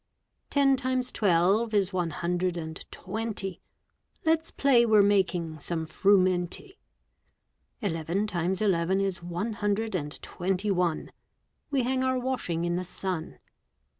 Ten times twelve is one hundred and twenty. Let's play we're making some frumenty. Eleven times eleven is one hundred and twenty one. We hang our washing in the sun.